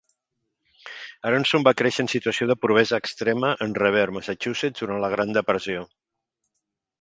Aronson va créixer en situació de pobresa extrema en Revere, Massachusetts, durant la Gran Depressió.